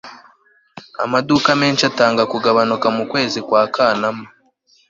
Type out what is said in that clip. amaduka menshi atanga kugabanuka mukwezi kwa kanama